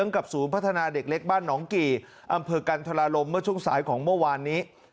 เย้้งกับศูนย์พัฒนาเด็กเล็กบ้านหนองกลี่อำเภอการทารลมเมื่อช่วงสายของวันนี้